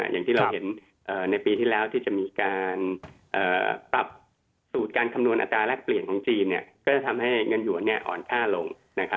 อย่างที่เราเห็นในปีที่แล้วที่จะมีการปรับสูตรการคำนวณอัตราแรกเปลี่ยนของจีนก็จะทำให้เงินหวนอ่อนค่าลง